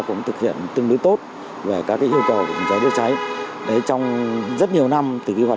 cũng thực hiện tương đối tốt về các cái yêu cầu của cảnh sát chữa cháy trong rất nhiều năm từ khi hoạt